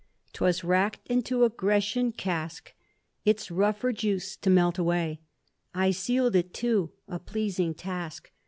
'Twas rack'd into a Grecian cask, Its rougher juice to melt away ; I seal*d it too — a pleasing task